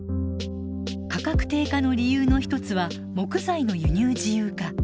価格低下の理由の一つは木材の輸入自由化。